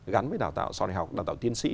gắn với đào tạo sau đại học đào tạo tiên sĩ